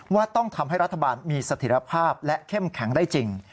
ว่าต้องทำให้รัฐบาลมีสถิตภาพและเข้มแข็งได้จริง